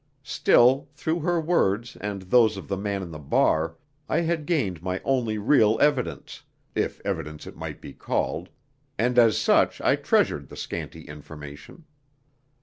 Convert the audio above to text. Still, through her words and those of the man in the bar, I had gained my only real evidence if evidence it might be called and as such I treasured the scanty information.